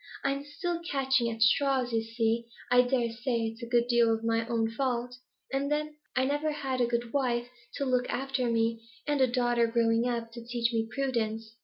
I'm still catching at straws, you see; I dare say it's a good deal my own fault; and then I never had a good wife to look after me, and a daughter growing up to teach me prudence.